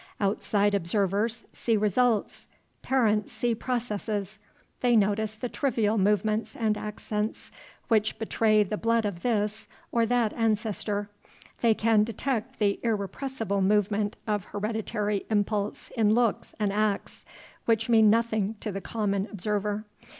Outside observers see results; parents see processes. They notice the trivial movements and accents which betray the blood of this or that ancestor; they can detect the irrepressible movement of hereditary impulse in looks and acts which mean nothing to the common observer.